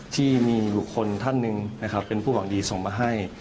ที่มีบุคคลท่านหนึ่งนะครับเป็นผู้หวังดีส่งมาให้